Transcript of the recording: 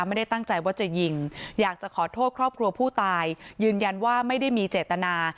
ไม่ได้ตั้งใจว่าจะยิงอยากจะขอโทษครอบครัวผู้ตายยืนยันว่าไม่ได้มีเจตนา